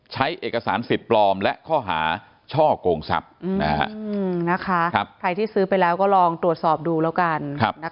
ใช้เอกสารสิทธิ์ปลอมและข้อหาช่อกงทรัพย์ใครที่ซื้อไปแล้วก็ลองตรวจสอบดูแล้วกัน